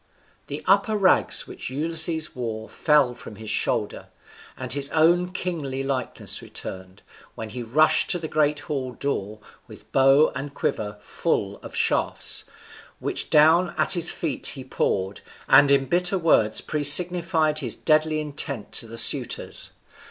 The upper rags which Ulysses wore fell from his shoulder, and his own kingly likeness returned, when he rushed to the great hall door with bow and quiver full of shafts, which down at his feet he poured, and in bitter words presignified his deadly intent to the suitors.